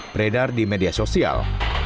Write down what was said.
beredar di media sosial